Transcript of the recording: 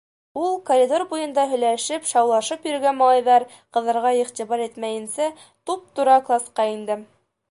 Ул, коридор буйында һөйләшеп, шаулашып йөрөгән малайҙар, ҡыҙҙарға иғтибар итмәйенсә, туп-тура класҡа инде.